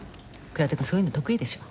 倉田くんそういうの得意でしょ？